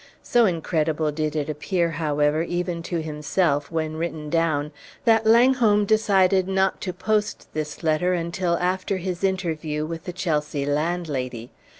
So incredible did it appear, however, even to himself, when written down, that Langholm decided not to post this letter until after his interview with the Chelsea landlady.